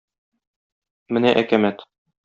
Менә әкәмәт!